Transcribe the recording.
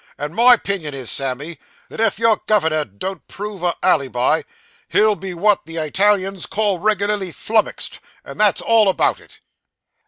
And my 'pinion is, Sammy, that if your governor don't prove a alleybi, he'll be what the Italians call reg'larly flummoxed, and that's all about it.